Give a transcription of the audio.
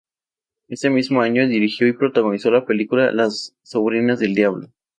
Ese mismo año, dirigió y protagonizó la película "Las sobrinas del diablo".